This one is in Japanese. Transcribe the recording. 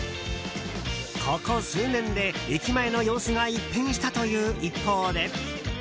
ここ数年で駅前の様子が一変したという一方で。